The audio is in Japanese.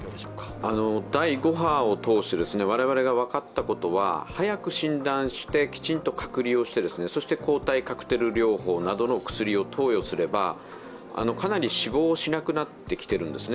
第５波を通して、我々が分かったことは、早く診断してきちんと隔離をして抗体カクテル療法などの薬を投与すればかなり死亡しなくなってきているんですね。